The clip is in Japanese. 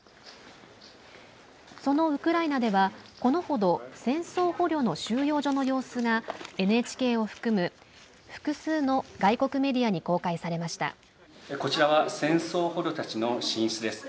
そのウクライナではこのほど戦争捕虜の収容所の様子がＮＨＫを含む複数の外国メディアにこちらは戦争捕虜たちの寝室です。